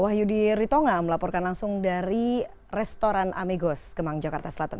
wahyudi ritonga melaporkan langsung dari restoran amigos kemang jakarta selatan